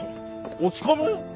落ち込む？